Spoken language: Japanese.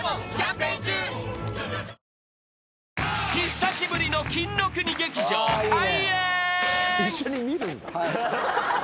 ［久しぶりの金の国劇場開演］